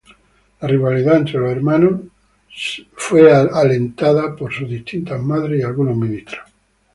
La rivalidad entre los hermanos fue alentada por sus distintas madres y algunos ministros.